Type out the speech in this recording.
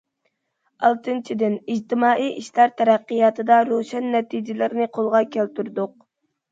ئالتىنچىدىن، ئىجتىمائىي ئىشلار تەرەققىياتىدا روشەن نەتىجىلەرنى قولغا كەلتۈردۇق.